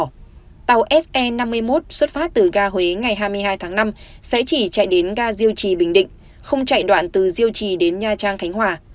ảnh hưởng của sự cố tàu se năm mươi một xuất phát từ ga huế ngày hai mươi hai tháng năm sẽ chỉ chạy đến ga diêu trì bình định không chạy đoạn từ diêu trì đến nha trang khánh hòa